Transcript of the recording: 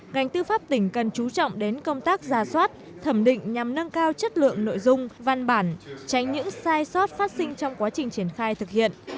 ngành tư pháp tỉnh cần chú trọng đến công tác ra soát thẩm định nhằm nâng cao chất lượng nội dung văn bản tránh những sai sót phát sinh trong quá trình triển khai thực hiện